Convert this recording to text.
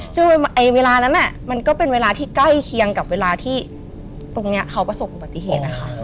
ซึ่งเวลานั้นมันก็เป็นเวลาที่ใกล้เคียงกับเวลาที่ตรงนี้เขาประสบอุบัติเหตุนะคะ